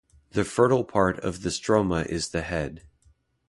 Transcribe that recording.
The fertile part of the stroma is the head.